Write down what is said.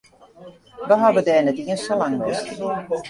We hawwe dêr net iens sa lang west.